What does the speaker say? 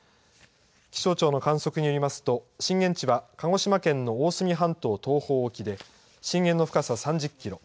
気象庁の観測によりますと、震源地は鹿児島県の大隅半島東方沖で、震源の深さは３０キロ。